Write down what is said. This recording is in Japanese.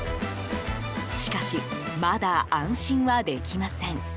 しかし、まだ安心はできません。